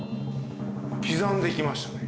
刻んで来ましたね。